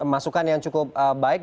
masukan yang cukup baik